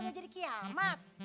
bisa jadi kiamat